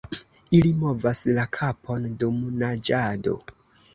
Ili movas la kapon dum naĝado.